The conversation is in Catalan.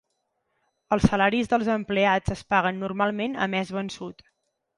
Els salaris dels empleats es paguen normalment a mes vençut.